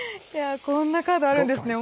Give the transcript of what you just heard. こんなカードあるんですね。